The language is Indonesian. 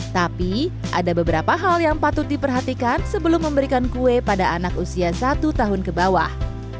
tapi ada beberapa hal yang patut diperhatikan sebelum memberikan kue pada anak usia satu tahun ke bawah